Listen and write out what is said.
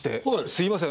すいません。